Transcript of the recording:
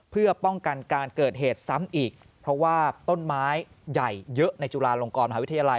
เพื่อป้องกันการเกิดเหตุซ้ำอีกเพราะว่าต้นไม้ใหญ่เยอะในจุฬาลงกรมหาวิทยาลัย